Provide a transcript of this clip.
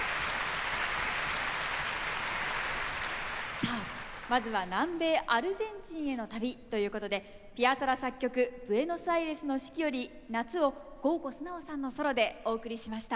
さあまずは南米アルゼンチンへの旅ということでピアソラ作曲「ブエノスアイレスの四季」より「夏」を郷古廉さんのソロでお送りしました。